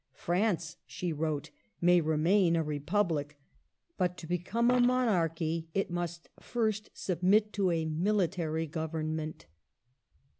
" France," she wrote, " may remain a republic ; but to become a monarchy it must first submit to a military government."